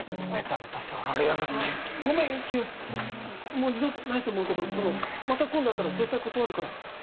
もう二度とないと思うけどそのまた今度あったら絶対断るから。